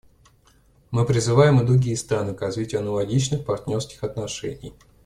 Мы призываем и другие страны к развитию аналогичных партнерских отношений.